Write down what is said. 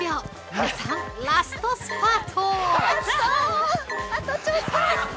皆さん、ラストスパート。